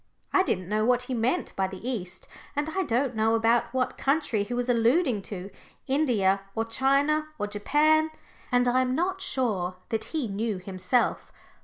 I didn't know what he meant by the East, and I don't now know what country he was alluding to India or China or Japan. And I am not sure that he knew himself.